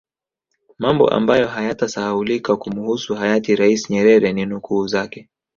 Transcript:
Mambo ambayo hayatasahaulika kumuhusu Hayati rais Nyerere ni nukuu zake